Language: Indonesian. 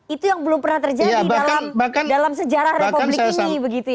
itu yang belum pernah terjadi dalam sejarah republik ini